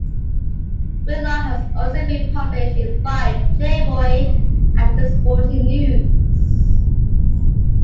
Whitlock has also been published in "Vibe", "Playboy", and "The Sporting News".